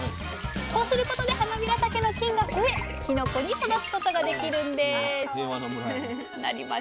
こうすることではなびらたけの菌が増えきのこに育つことができるんです